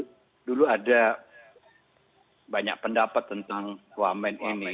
iya dulu ada banyak pendapat tentang one man ini